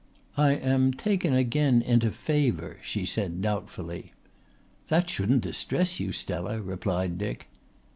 "I am taken again into favour," she said doubtfully. "That shouldn't distress you, Stella," replied Dick.